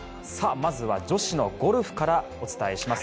まずは、女子のゴルフからお伝えします。